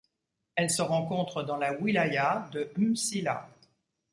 Elle se rencontre dans la wilaya de M'Sila.